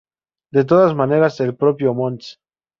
De todas maneras, el propio mons.